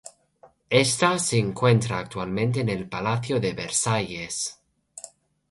Ésta se encuentra actualmente en el Palacio de Versailles.